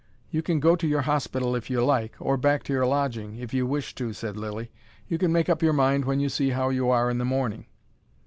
"You can go to your hospital if you like or back to your lodging if you wish to," said Lilly. "You can make up your mind when you see how you are in the morning."